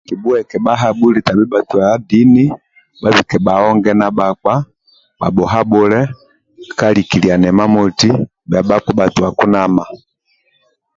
Kibhueke bhahabhuli tabhi bhatua dini bhabike bhaonge na bhakpa bhabhuhabhule ka likiliana imamoti bhia bhakpa bhatua kunama.